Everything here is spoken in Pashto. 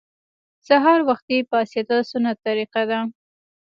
سهار وختي پاڅیدل سنت طریقه ده